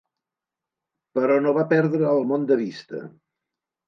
Però no va perdre el món de vista.